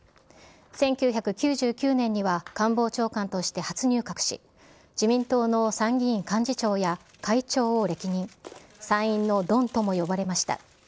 １９９９年には官房長官として初入閣し、自民党の参議院幹事長や会長を歴任、参院のドンとも呼ばれました。